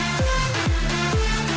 yang di sini